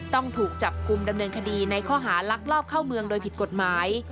ต้องถูกจับกลุ่มดำเนินคดีในข้อหาลักลอบเข้าเมืองโดยผิดกฎหมาย